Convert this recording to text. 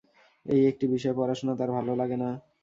এই একটি বিষয়ে পড়াশোনা তাঁর ভালো লাগে না।